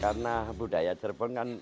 karena budaya cirebon kan